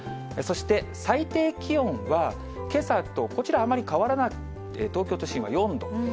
そして最低気温は、けさと、こちらあまり変わらない、東京都心は４度。